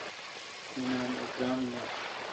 می نام اکرم نہ۔